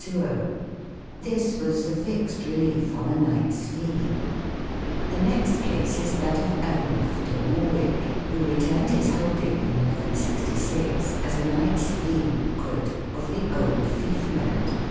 4 This was the fixed relief on a knight's fee. 5 The next case is that of Ernulf de Morewic, who returned his holding, in 1 1 66, as a knight's fee, 6 " of the old feoffment